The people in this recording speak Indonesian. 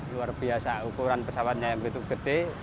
luar biasa ukuran pesawatnya yang begitu gede